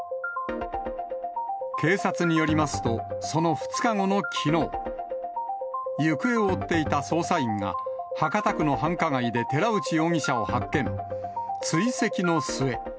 警察によりますと、その２日後のきのう、行方を追っていた捜査員が、博多区の繁華街で寺内容疑者を発見、追跡の末。